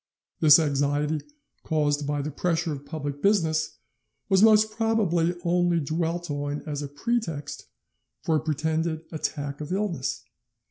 "This anxiety, caused by the pressure of public business, was most probably only dwelt on as a pretext for a pretended attack of illness.